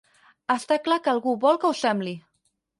Està clar que algú vol que ho sembli.